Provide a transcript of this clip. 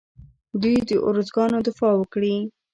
د دوی ارزوګانو دفاع وکړي